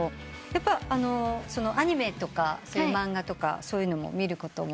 やっぱアニメとか漫画とかそういうのも見ることも多いですか？